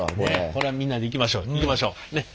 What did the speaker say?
これはみんなでいきましょういきましょうねっ。